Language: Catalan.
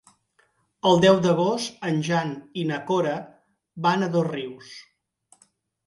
El deu d'agost en Jan i na Cora van a Dosrius.